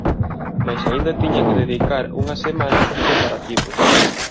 Mais aínda tiña que dedicar unhas semanas aos preparativos.